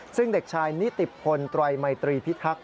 ซึ่งเด็กชายนิติพลไตรมัยตรีพิทักษ